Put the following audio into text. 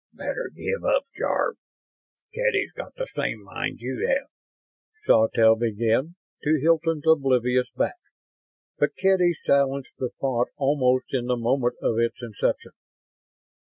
"Better give up, Jarve. Kedy's got the same mind you have," Sawtelle began, to Hilton's oblivious back; but Kedy silenced the thought almost in the moment of its inception.